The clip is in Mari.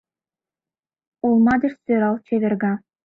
Олма деч сӧрал чеверга.